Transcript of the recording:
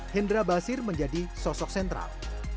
hendra basir menjadi sosok sentral